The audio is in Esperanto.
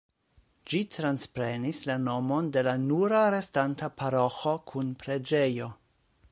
Ĝi transprenis la nomon de la nura restanta paroĥo kun preĝejo.